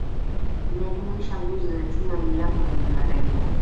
Linajumuisha nguzo za chuma milango yenye marembo